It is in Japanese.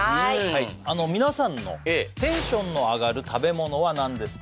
はい皆さんのテンションの上がる食べ物は何ですか？